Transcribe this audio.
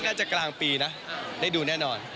น่าจะกลางปีนะได้ดูแน่นอน